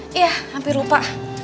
eh iya hampir lupa